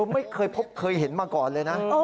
ไม่เคยพบเคยเห็นมาก่อนเลยนะ